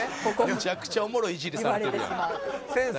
めちゃくちゃおもろいいじりされてるやん。